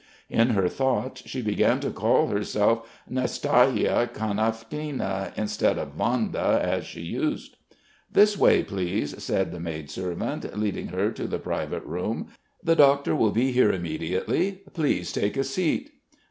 In her thoughts she began to call herself Nastya Kanavkina, instead of Vanda as she used. "This way, please!" said the maid servant, leading her to the private room. "The doctor will be here immediately.... Please, take a seat."